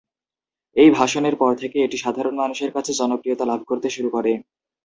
এই ভাষণের পর থেকে এটি সাধারণ মানুষের কাছে জনপ্রিয়তা লাভ করতে শুরু করে।